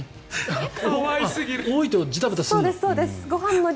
多いとジタバタするの？